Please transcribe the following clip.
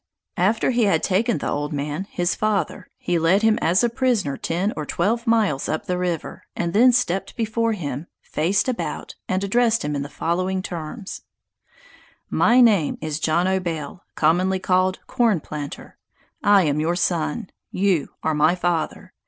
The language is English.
After he had taken the old man, his father, he led him as a prisoner ten or twelve miles up the river, and then stepped before him, faced about, and addressed him in the following terms: "My name is John O'Bail, commonly called Corn Planter. I am your son! you are my father!